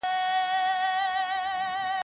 په لک ئې نه نيسي، په کک ئې ونيسي.